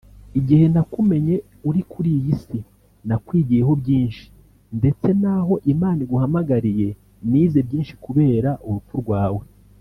Igihe nakumenye uri kuri iyi si nakwigiyeho byinshi ndetse n’aho Imana iguhamagariye nize byinshi kubera urupfu rwawe”